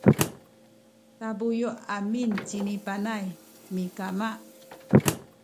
tabuyu’ amin cini Panay mikama